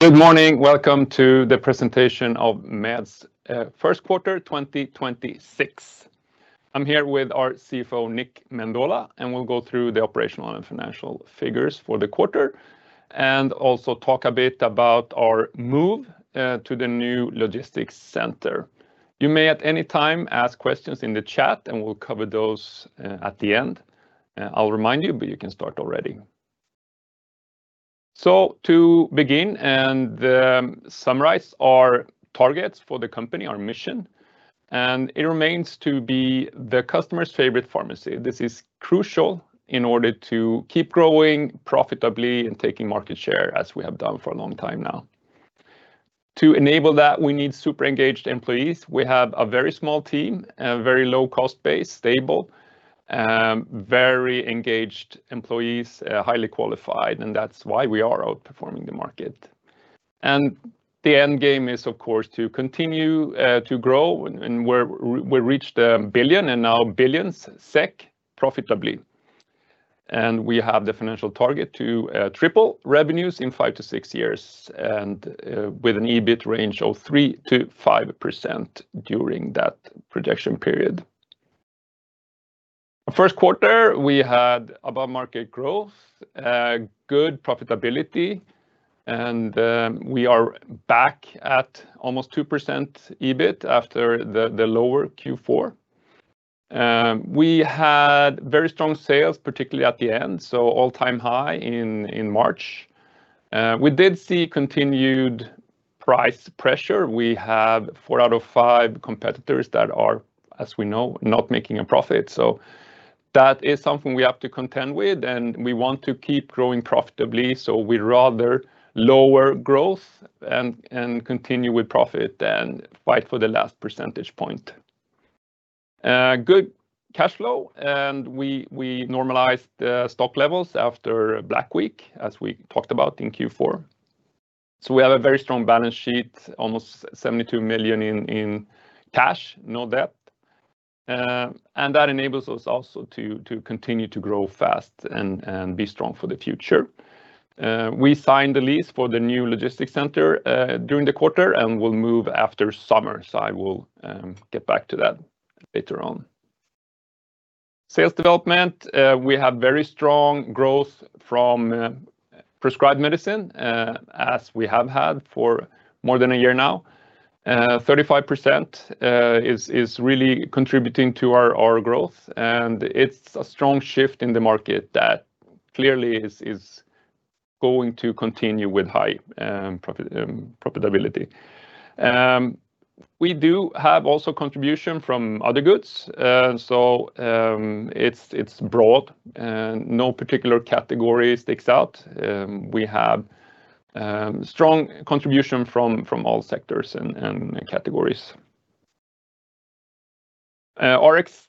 Good morning. Welcome to the presentation of MEDS First Quarter, 2026. I'm here with our CFO, Nick Mendola, and we'll go through the operational and financial figures for the quarter and also talk a bit about our move to the new logistics center. You may at any time ask questions in the chat, and we'll cover those at the end. I'll remind you, but you can start already. To begin and summarize our targets for the company, our mission, and it remains to be the customer's favorite pharmacy. This is crucial in order to keep growing profitably and taking market share as we have done for a long time now. To enable that, we need super engaged employees. We have a very small team, a very low cost base, stable, very engaged employees, highly qualified, that's why we are outperforming the market. The end game is, of course, to continue to grow, we reached 1 billion and now billions SEK profitably. We have the financial target to triple revenues in five to six years with an EBIT range of 3%-5% during that projection period. First quarter, we had above-market growth, good profitability, we are back at almost 2% EBIT after the lower Q4. We had very strong sales, particularly at the end, all-time high in March. We did see continued price pressure. We have four out of five competitors that are, as we know, not making a profit. That is something we have to contend with, and we want to keep growing profitably. We rather lower growth and continue with profit than fight for the last percentage point. Good cash flow, and we normalized the stock levels after Black Week, as we talked about in Q4. We have a very strong balance sheet, almost 72 million in cash, no debt. That enables us also to continue to grow fast and be strong for the future. We signed the lease for the new logistics center during the quarter and will move after summer. I will get back to that later on. Sales development, we have very strong growth from prescribed medicine, as we have had for more than one year now. 35% is really contributing to our growth, and it's a strong shift in the market that clearly is going to continue with high profit profitability. We do have also contribution from other goods, so it's broad and no particular category sticks out. We have strong contribution from all sectors and categories. Rx,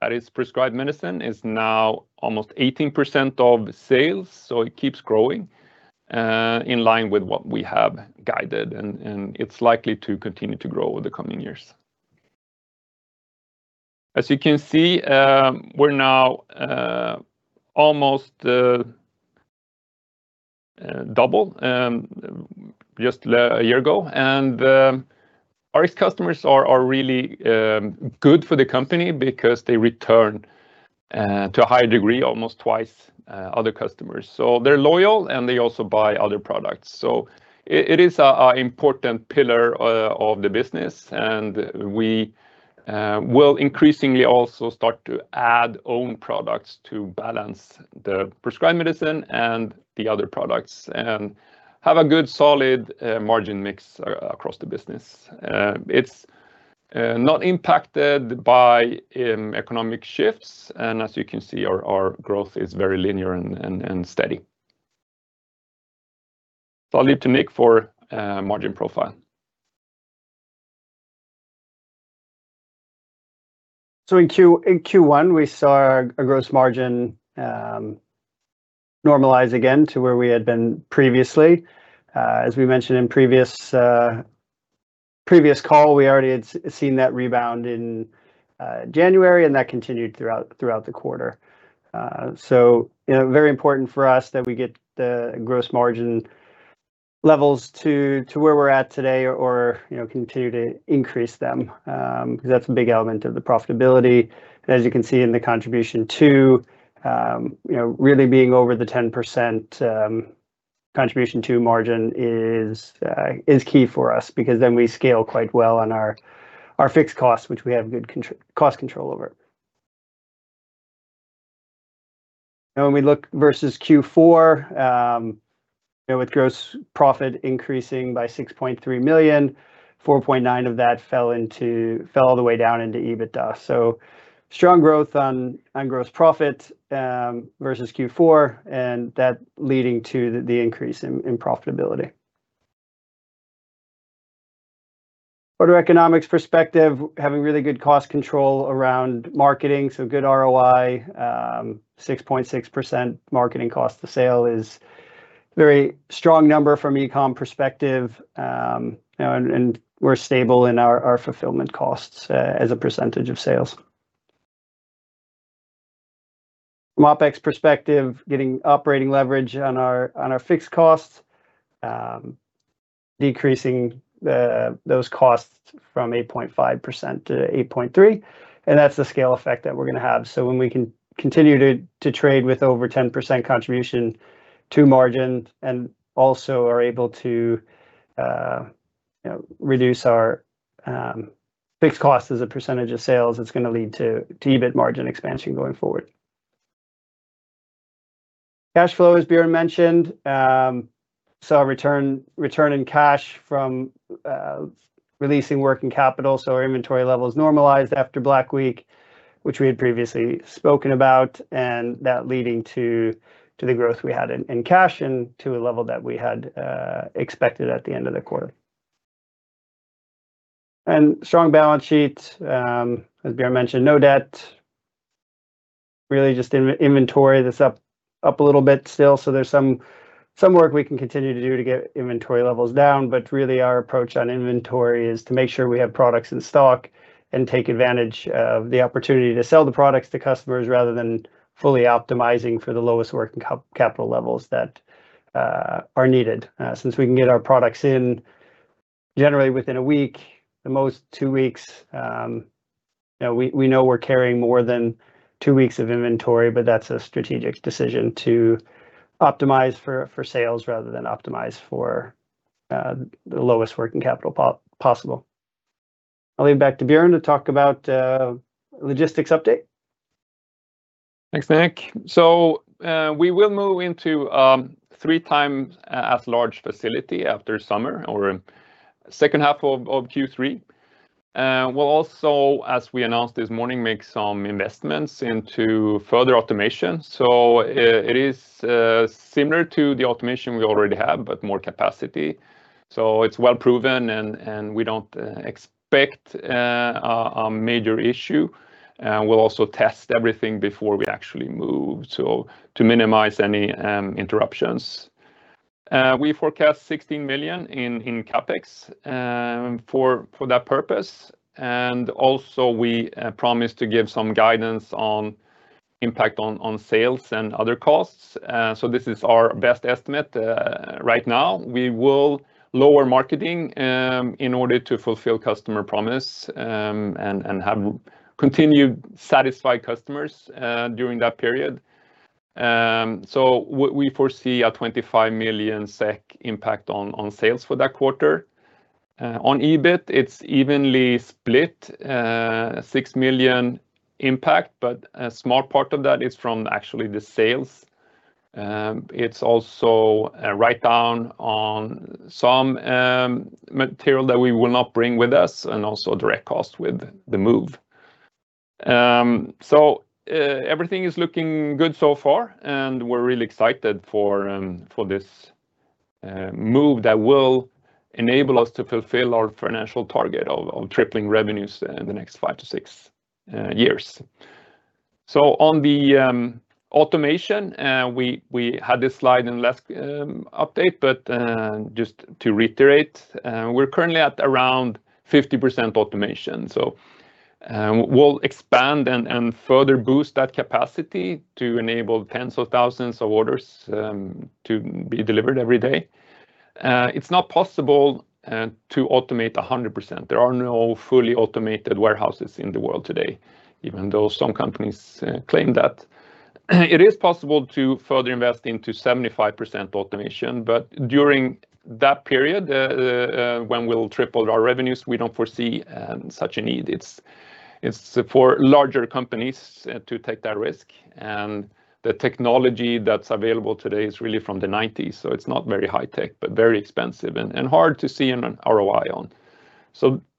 that is prescribed medicine, is now almost 18% of sales, so it keeps growing in line with what we have guided and it's likely to continue to grow over the coming years. As you can see, we're now almost double just one year ago. Rx customers are really good for the company because they return to a higher degree, almost twice other customers. They're loyal, and they also buy other products. It is a important pillar of the business, and we will increasingly also start to add own products to balance the prescribed medicine and the other products and have a good, solid margin mix across the business. It's not impacted by economic shifts, and as you can see, our growth is very linear and steady. I'll leave to Nick for margin profile. In Q1, we saw a gross margin normalize again to where we had been previously. As we mentioned in previous call, we already had seen that rebound in January and that continued throughout the quarter. You know, very important for us that we get the gross margin levels to where we're at today or continue to increase them because that's a big element of the profitability. As you can see in the contribution to, you know, really being over the 10%, contribution to margin is key for us because then we scale quite well on our fixed costs which we have good cost control over. When we look versus Q4, you know, with gross profit increasing by 6.3 million, 4.9 of that fell all the way down into EBITDA. Strong growth on gross profit versus Q4, and that leading to the increase in profitability. For economics perspective, having really good cost control around marketing, good ROI, 6.6% marketing cost to sale is very strong number from e-com perspective and we're stable in our fulfillment costs as a percentage of sales. OPEX perspective, getting operating leverage on our fixed costs, decreasing those costs from 8.5% to 8.3%, that's the scale effect that we're gonna have. When we can continue to trade with over 10% contribution to margin and also are able to, you know, reduce our fixed costs as a percentage of sales, it's gonna lead to EBIT margin expansion going forward. Cash flow, as Björn mentioned, saw a return in cash from releasing working capital, so our inventory levels normalized after Black Week, which we had previously spoken about and that leading to the growth we had in cash and to a level that we had expected at the end of the quarter. Strong balance sheet, as Björn mentioned, no debt. Really just inventory that's up a little bit still, so there's some work we can continue to do to get inventory levels down. Really our approach on inventory is to make sure we have products in stock and take advantage of the opportunity to sell the products to customers rather than fully optimizing for the lowest working capital levels that are needed. Since we can get our products in generally within one week, at most two weeks, you know, we know we're carrying more than two weeks of inventory but that's a strategic decision to optimize for sales rather than optimize for the lowest working capital possible. I'll leave it back to Björn to talk about logistics update. Thanks, Nick. We will move into three times as large facility after summer or second half of Q3. We'll also, as we announced this morning, make some investments into further automation. It is similar to the automation we already have but more capacity. It's well proven and we don't expect a major issue. We'll also test everything before we actually move, so to minimize any interruptions. We forecast 16 million in CapEx for that purpose. Also we promised to give some guidance on impact on sales and other costs. This is our best estimate right now. We will lower marketing in order to fulfill customer promise and have continued satisfied customers during that period. We foresee a 25 million SEK impact on sales for that quarter. On EBIT, it's evenly split, 6 million impact, but a small part of that is from actually the sales. It's also a write-down on some material that we will not bring with us and also direct cost with the move. Everything is looking good so far, and we're really excited for this move that will enable us to fulfill our financial target of tripling revenues in the next five to six years. On the automation, we had this slide in last update but just to reiterate, we're currently at around 50% automation. We'll expand and further boost that capacity to enable tens of thousands of orders to be delivered every day. It's not possible to automate 100%. There are no fully automated warehouses in the world today, even though some companies claim that. It is possible to further invest into 75% automation. During that period, when we'll triple our revenues, we don't foresee such a need. It's for larger companies to take that risk. The technology that's available today is really from the 1990s, so it's not very high tech but very expensive and hard to see an ROI on.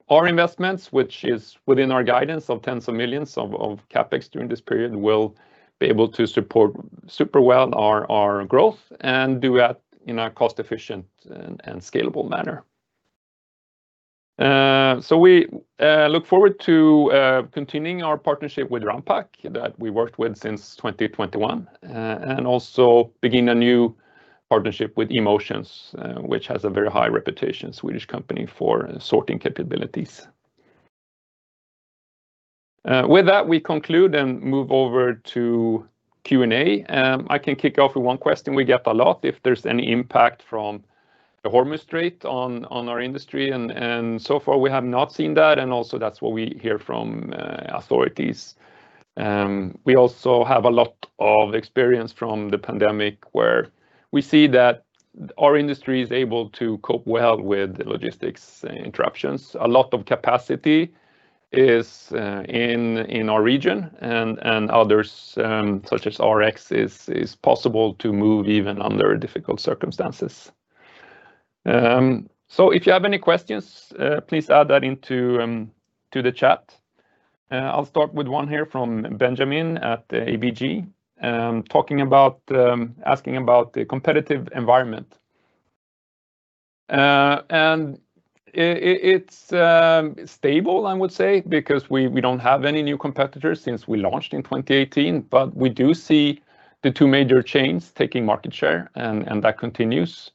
Our investments, which is within our guidance of tens of millions of CapEx during this period, will be able to support super well our growth and do that in a cost-efficient and scalable manner. We look forward to continuing our partnership with Ranpak that we worked with since 2021, and also begin a new partnership with E-motion, which has a very high reputation, Swedish company, for sorting capabilities. With that, we conclude and move over to Q&A. I can kick off with one question we get a lot, if there's any impact from the Strait of Hormuz on our industry. So far we have not seen that, and also that's what we hear from authorities. We also have a lot of experience from the pandemic where we see that our industry is able to cope well with logistics interruptions. A lot of capacity is in our region and others, such as Rx is possible to move even under difficult circumstances. So if you have any questions, please add that into the chat. I'll start with one here from Benjamin at ABG, talking about asking about the competitive environment. It's stable, I would say, because we don't have any new competitors since we launched in 2018. We do see the two major chains taking market share, and that continues.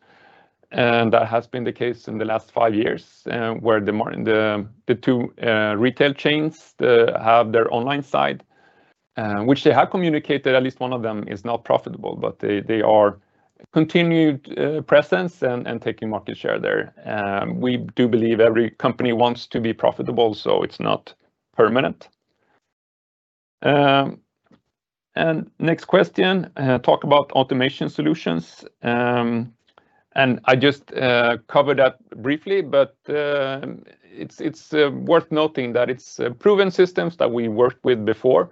That has been the case in the last five years, where the two retail chains have their online side which they have communicated at least one of them is not profitable, but they are continued presence and taking market share there. We do believe every company wants to be profitable, so it's not permanent. Next question, talk about automation solutions. I just covered that briefly, but it's worth noting that it's proven systems that we worked with before.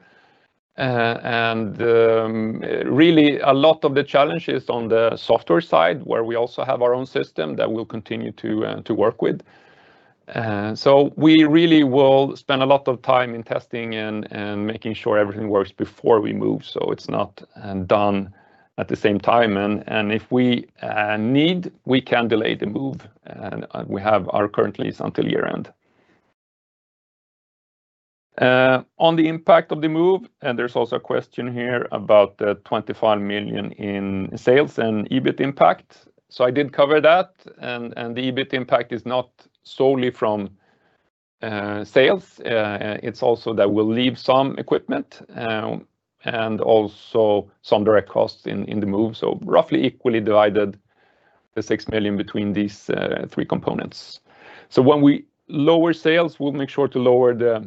Really a lot of the challenge is on the software side where we also have our own system that we'll continue to work with. We really will spend a lot of time in testing and making sure everything works before we move, so it's not done at the same time. If we need, we can delay the move. We have our current lease until year-end. On the impact of the move, there's also a question here about the 25 million in sales and EBIT impact. I did cover that, and the EBIT impact is not solely from sales. It's also that we'll leave some equipment and also some direct costs in the move. Roughly equally divided, the 6 million, between these three components. When we lower sales, we'll make sure to lower the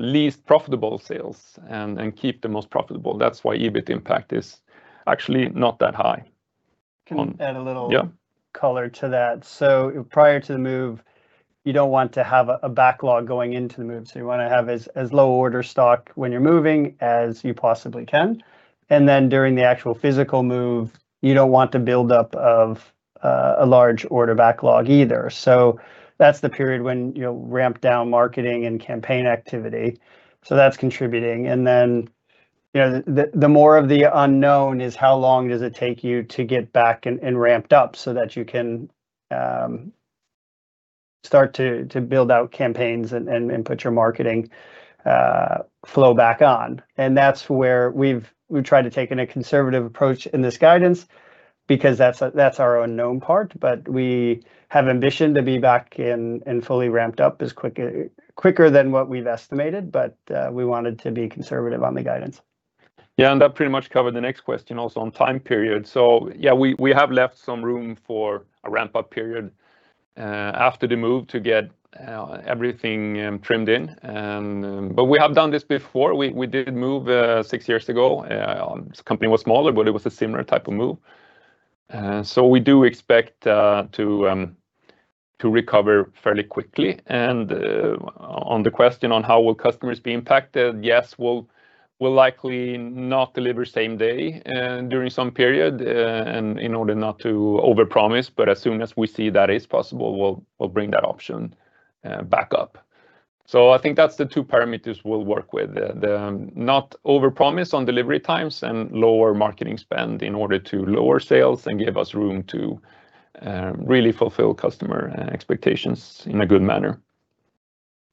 least profitable sales and keep the most profitable. That's why EBIT impact is actually not that high. Can add a little- Yeah Color to that. Prior to the move, you don't want to have a backlog going into the move, so you wanna have as low order stock when you're moving as you possibly can. During the actual physical move, you don't want the build up of a large order backlog either. That's the period when, you know, ramp down marketing and campaign activity, so that's contributing. The more of the unknown is how long does it take you to get back and ramped up so that you can start to build out campaigns and put your marketing flow back on. That's where we've tried to take in a conservative approach in this guidance because that's our unknown part. We have ambition to be back and fully ramped up as quick, quicker than what we've estimated. We wanted to be conservative on the guidance. That pretty much covered the next question also on time period. Yeah, we have left some room for a ramp-up period after the move to get everything trimmed in. We have done this before. We did move six years ago. The company was smaller, but it was a similar type of move. We do expect to recover fairly quickly. On the question on how will customers be impacted, yes, we'll likely not deliver same day during some period, and in order not to overpromise. As soon as we see that is possible, we'll bring that option back up. I think that's the two parameters we'll work with. The not overpromise on delivery times and lower marketing spend in order to lower sales and give us room to really fulfill customer expectations in a good manner.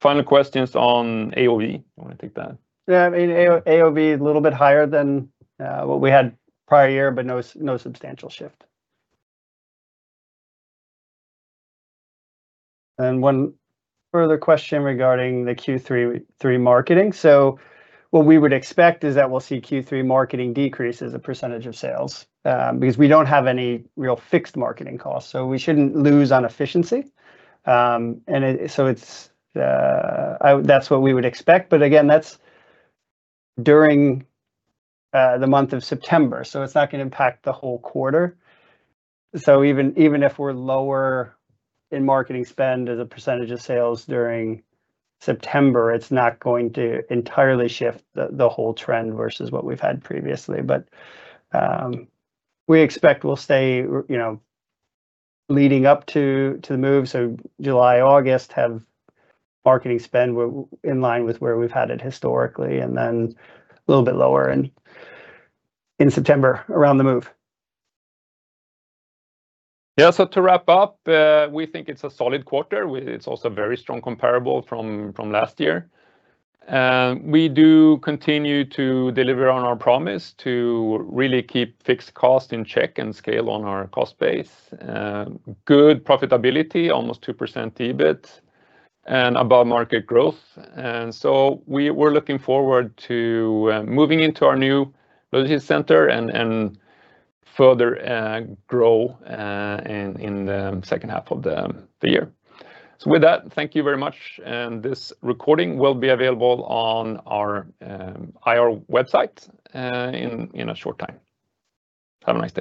Final questions on AOV. You wanna take that? Yeah, I mean, AOV a little bit higher than what we had prior year but no substantial shift. One further question regarding the Q3 marketing. What we would expect is that we'll see Q3 marketing decrease as a percentage of sales because we don't have any real fixed marketing costs, so we shouldn't lose on efficiency. It's that's what we would expect. Again, that's during the month of September, it's not gonna impact the whole quarter. Even if we're lower in marketing spend as a percentage of sales during September, it's not going to entirely shift the whole trend versus what we've had previously. We expect we'll stay you know, leading up to the move, so July, August, have marketing spend in line with where we've had it historically, and then a little bit lower in September around the move. To wrap up, we think it's a solid quarter. It's also very strong comparable from last year. We do continue to deliver on our promise to really keep fixed cost in check and scale on our cost base. Good profitability, almost 2% EBIT, and above market growth. We're looking forward to moving into our new logistics center and further grow in the second half of the year. With that, thank you very much, and this recording will be available on our IR website in a short time. Have a nice day.